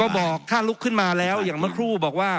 ก็บอกถ้าลุกขึ้นมาแล้วอย่างเมื่อครู่บอกว่า